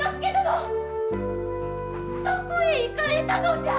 どこへ行かれたのじゃ。